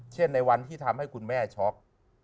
ในวันที่ทำให้คุณแม่ช็อก